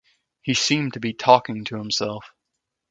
He seemed to be talking to himself.